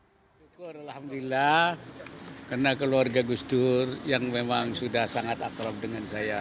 syukur alhamdulillah karena keluarga gus dur yang memang sudah sangat akrab dengan saya